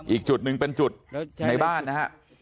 อีกจุดหนึ่งเป็นจุดในบ้านนะฮะ